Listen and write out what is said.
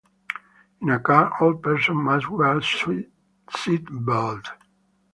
In a car, all persons must wear seat belt.